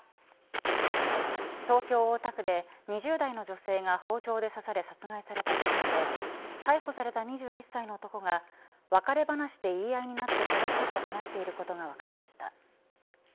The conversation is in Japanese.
東京、大田区で２０代の女性が包丁で刺され殺害された事件で逮捕された２１歳の男が別れ話で言い合いになって殺したと話していることが分かりました。